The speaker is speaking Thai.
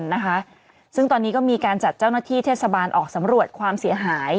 นะคะซึ่งตอนนี้ก็มีการจัดเจ้าหน้าที่เทศบาลออกสำรวจความเสียหาย